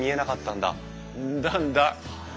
んだんだ。